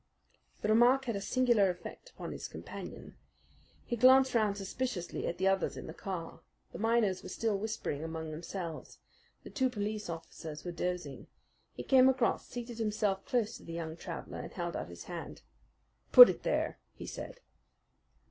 The remark had a singular effect upon his companion. He glanced round suspiciously at the others in the car. The miners were still whispering among themselves. The two police officers were dozing. He came across, seated himself close to the young traveller, and held out his hand. "Put it there," he said.